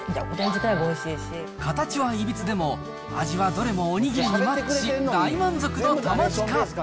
形はいびつでも、味はどれもおにぎりにマッチし、大満足の友近。